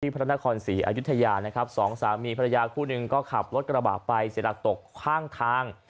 พระนครศรีอายุทยานะครับสองสามีภรรยาคู่หนึ่งก็ขับรถกระบะไปเสียหลักตกข้างทาง